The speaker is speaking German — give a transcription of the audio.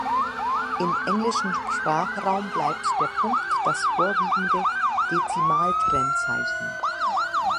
Im englischen Sprachraum bleibt der Punkt das vorwiegende Dezimaltrennzeichen.